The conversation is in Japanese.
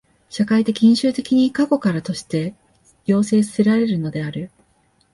社会的因襲的に過去からとして要請せられるのである。